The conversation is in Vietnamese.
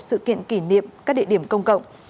sự kiện kỷ niệm các địa điểm công cộng